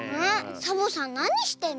サボさんなにしてるの？